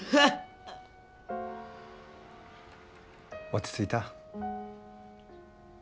落ち着いた？